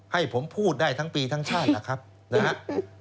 ให้ผมพูดได้ทั้งปีทั้งชาติล่ะครับนะครับ